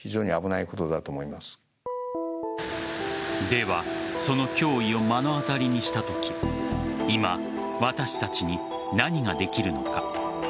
では、その脅威を目の当たりにしたとき今、私たちに何ができるのか。